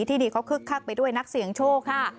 ที่ดีเขาคึกคักไปด้วยนักเสี่ยงโชคค่ะ